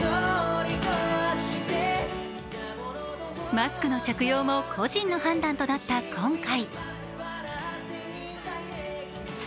マスクの着用も個人の判断となった今回。